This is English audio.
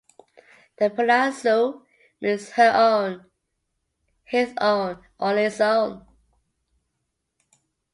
The pronoun su means "her own", "his own" or "its own".